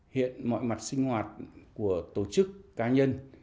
hiện mọi mặt sinh hoạt của tổ chức cá nhân